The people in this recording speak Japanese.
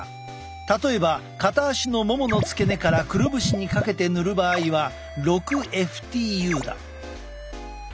例えば片足のももの付け根からくるぶしにかけて塗る場合は６ＦＴＵだ。